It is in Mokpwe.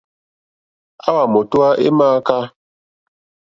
Àwà mòtówá é !mááká.